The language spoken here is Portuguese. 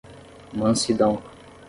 Mansidão